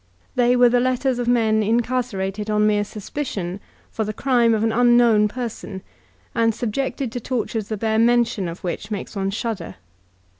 They were the letters of men incarcerated on mere suspicion for the crime of an unknown person, and subjected to tortures the bare mention of which makes one shudder.